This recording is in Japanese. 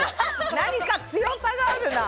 何か強さがあるな。